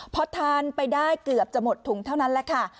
พอทานไปได้เกือบจะหมดถุงเท่านั้นแหละค่ะ